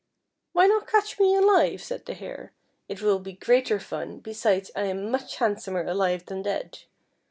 "Why not catch me alive," said the Hare. "It will be greater fun, besides I am much handsomer alive than dead.